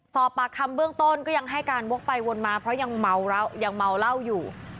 สอบปากคำเบื้องต้นก็ยังให้การวกไปวนมาเพราะยังเมายังเมาเหล้าอยู่